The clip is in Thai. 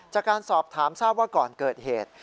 จากการสอบถามทราบว่าก่อนเกิดเหตุ